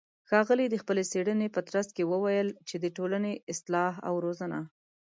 ښاغلى د خپلې څېړنې په ترڅ کې وويل چې د ټولنې اصلاح او روزنه